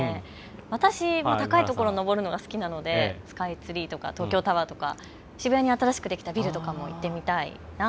私も高い所、上るのが好きなのでスカイツリーとか東京タワーとか渋谷に新しくできたビルとかも行ってみたいな。